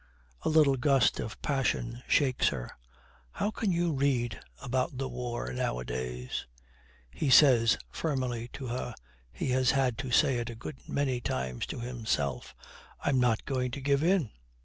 A little gust of passion shakes her. 'How you can read about the war nowadays!' He says firmly to her he has had to say it a good many times to himself, 'I'm not going to give in.'